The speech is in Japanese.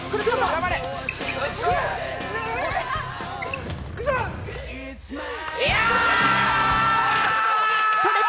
頑張れ！